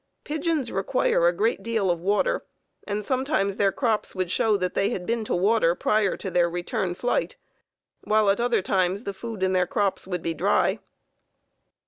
Pigeons require a great deal of water, and sometimes their crops would show that they had been to water prior to their return flight, while at other times the food in their crops would be dry.